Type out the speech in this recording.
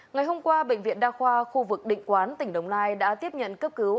ngày hôm qua bệnh viện đa khoa khu vực định quán tỉnh đồng nai đã tiếp nhận cấp cứu